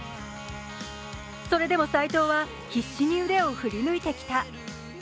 それでも斎藤は必死に腕を振り抜いてきた。